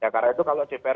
karena itu kalau jpr